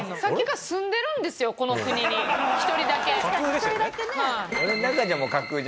１人だけね。